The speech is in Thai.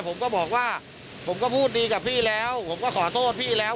ผมก็บอกว่าผมก็พูดดีกับพี่แล้วผมก็ขอโทษพี่แล้ว